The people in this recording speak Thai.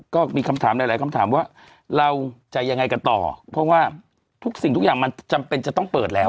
ก็มีคำถามหลายหลายคำถามว่าเราจะยังไงกันต่อเพราะว่าทุกสิ่งทุกอย่างมันจำเป็นจะต้องเปิดแล้ว